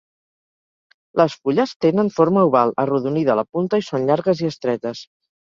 Les fulles tenen forma oval, arrodonida a la punta i són llargues i estretes.